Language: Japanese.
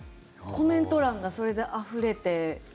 コメント欄がそれであふれて。